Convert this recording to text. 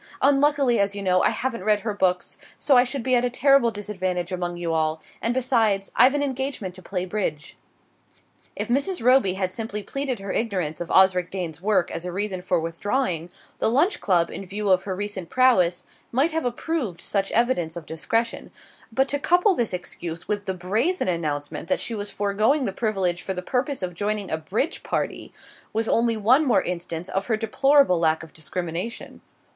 Unluckily, as you know, I haven't read her books, so I should be at a terrible disadvantage among you all, and besides, I've an engagement to play bridge." If Mrs. Roby had simply pleaded her ignorance of Osric Dane's works as a reason for withdrawing, the Lunch Club, in view of her recent prowess, might have approved such evidence of discretion; but to couple this excuse with the brazen announcement that she was foregoing the privilege for the purpose of joining a bridge party was only one more instance of her deplorable lack of discrimination.